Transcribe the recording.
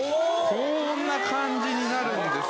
こんな感じになるんです。